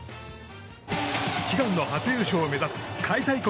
悲願の初優勝を目指す開催国